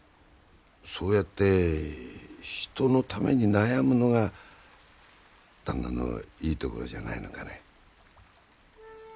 そうやって人のために悩むのが旦那のいいところじゃないのかね。